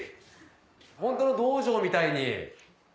ホントの道場みたいに。